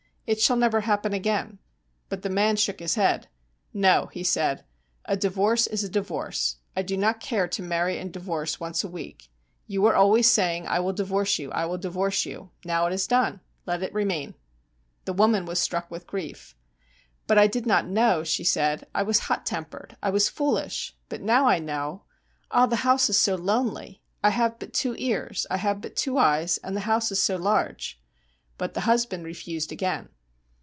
It shall never happen again.' But the man shook his head. 'No,' he said; 'a divorce is a divorce. I do not care to marry and divorce once a week. You were always saying "I will divorce you, I will divorce you." Now it is done. Let it remain.' The woman was struck with grief. 'But I did not know,' she said; 'I was hot tempered. I was foolish. But now I know. Ah! the house is so lonely! I have but two ears, I have but two eyes, and the house is so large.' But the husband refused again.